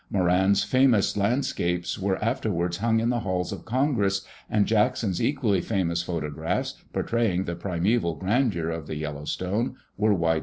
Moran's famous landscapes were afterwards hung in the halls of Congress and Jackson's equally famous photographs portraying the primeval grandeur of the Yellowstone were widely distributed.